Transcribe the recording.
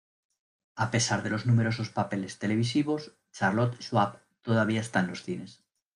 A pesar de los numerosos papeles televisivos, Charlotte Schwab todavía está en los cines.